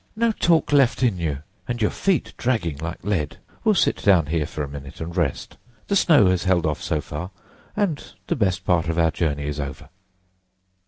No talk left in you, and your feet dragging like lead. We'll sit down here for a minute and rest. The snow has held off so far, and the best part of our journey is over."